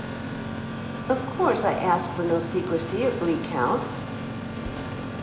Of course I ask for no secrecy at Bleak House.